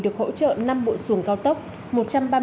được hỗ trợ năm bộ xuồng cao tốc